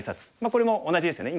これも同じですよね